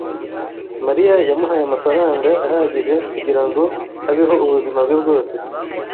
Mariya yamuhaye amafaranga ahagije kugirango abeho ubuzima bwe bwose.